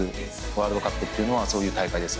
ワールドカップっていうのはそういう大会ですね。